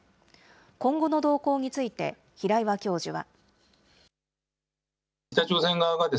今後の動向について、平岩教授は。